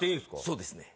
そうですね。